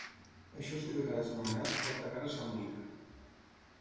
Això és de vegades anomenat Quarta guerra samnita.